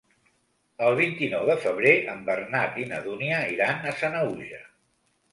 El vint-i-nou de febrer en Bernat i na Dúnia iran a Sanaüja.